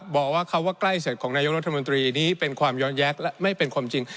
บอกว่าคำว่าใกล้เสร็จของนายกรัฐมนตรีนี้เป็นความย้อนแย้งและไม่เป็นความจริง